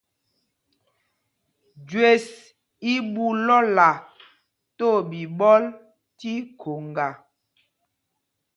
Jüés í ɓu lɔ́la tí oɓiɓɔl tí khoŋga.